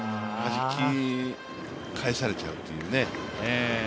弾き返されちゃうというね。